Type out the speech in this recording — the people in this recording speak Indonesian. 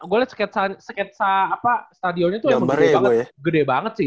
gue liat sketsa stadionnya itu gede banget sih itu